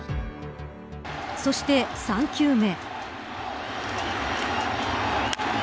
そして、３球目。